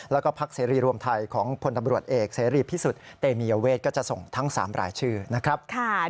แล้วก็พักเสรีรวมไทยของพลตำรวจเอกเสรีพิสุทธิ์เตมียเวทก็จะส่งทั้ง๓รายชื่อนะครับ